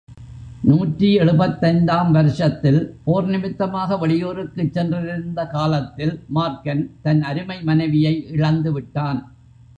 நூற்றி எழுபத்தைந்து ஆம் வருஷத்தில் போர் நிமித்தமாக வெளியூருக்குச் சென்றிருந்த காலத்தில் மார்க்கன் தன் அருமை மனைவியை இழந்துவிட்டான்.